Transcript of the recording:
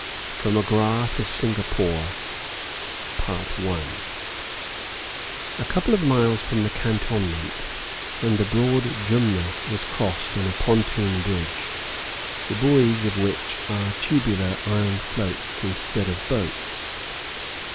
FROM AGRA TO SINGAPORE. A couple of miles from the cantonment, and the broad Jumna is crossed on a pontoon bridge, the buoys of which are tubular iron floats instead of boats.